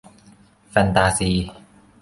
แฟนตาซี